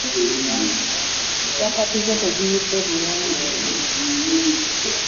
Kyapati zo teziyidde bulungi.